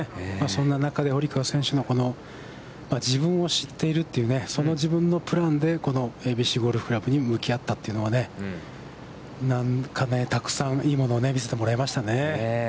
そんな中で堀川選手のこの自分を知っているという、その自分のプランでこのＡＢＣゴルフ倶楽部に向き合ったというのはね、なんかたくさんいいものを見せてもらいましたね。